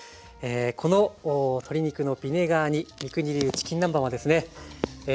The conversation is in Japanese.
この鶏肉のビネガー煮三國流チキン南蛮はですね